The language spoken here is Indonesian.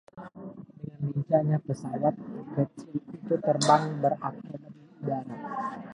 dengan lincahnya pesawat kecil itu terbang berakrobat di udara